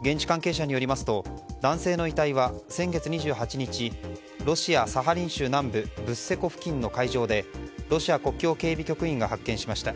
現地関係者によりますと男性の遺体は先月２８日ロシア・サハリン州南部ブッセ湖付近でロシア国境警備局員が発見しました。